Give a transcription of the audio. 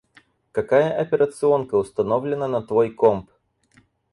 Какая операционка установлена на твой комп?